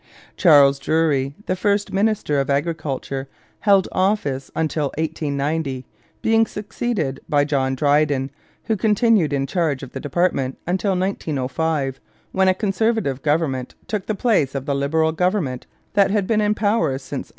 Charles Drury, the first minister of Agriculture, held office until 1890, being succeeded by John Dryden, who continued in charge of the department until 1905, when a conservative government took the place of the liberal government that had been in power since 1871.